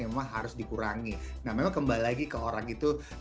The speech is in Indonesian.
nah memang kembali lagi ke orang itu